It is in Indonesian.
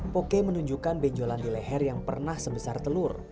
poke menunjukkan benjolan di leher yang pernah sebesar telur